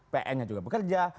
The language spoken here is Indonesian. pn nya juga bekerja